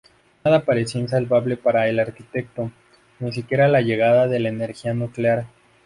Nada parecía insalvable para el arquitecto, ni siquiera la llegada de la energía nuclear.